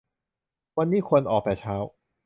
วันนี้ควรออกแต่เช้า